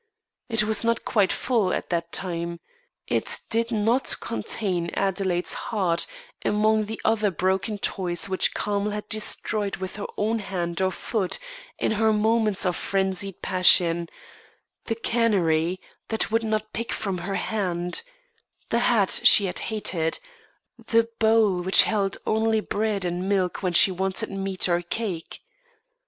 It was not quite full, at that time. It did not contain Adelaide's heart among the other broken toys which Carmel had destroyed with her own hand or foot, in her moments of frenzied passion the canary, that would not pick from her hand, the hat she hated, the bowl which held only bread and milk when she wanted meat or cake.